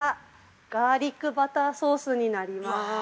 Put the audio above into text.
◆こちら、ガーリックバターソースになりまーす。